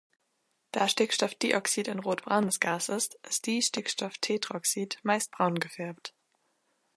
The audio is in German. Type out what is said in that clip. Da Stickstoffdioxid ein rotbraunes Gas ist, ist Distickstofftetroxid meist braun gefärbt.